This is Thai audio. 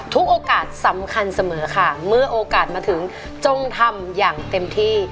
โอกาสสำคัญเสมอค่ะเมื่อโอกาสมาถึงจงทำอย่างเต็มที่